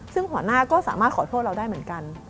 ซึ่งหัวหน้าก็สามารถขอโทษเราได้เหมือนกัน